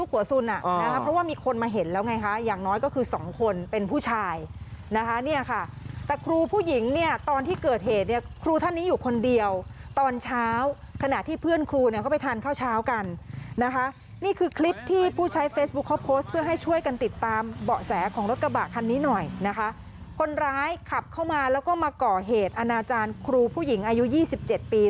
ไปไปไปไปไปไปไปไปไปไปไปไปไปไปไปไปไปไปไปไปไปไปไปไปไปไปไปไปไปไปไปไปไปไปไปไปไปไปไปไปไปไปไปไปไปไปไปไปไปไปไปไปไปไปไป